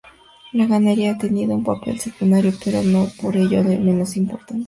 La ganadería ha tenido un papel secundario, pero no por ello menos importante.